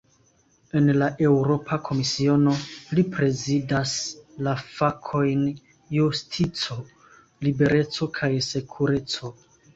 En la Eŭropa Komisiono, li prezidas la fakojn "justico, libereco kaj sekureco".